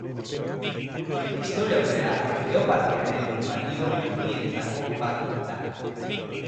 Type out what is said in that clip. Historiaurrea Geoparkearen balio handienetako bat da.